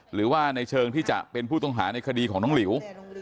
หรือว่าในเชิงที่จะเป็นผู้ต้องหาในคดีของน้องหลิว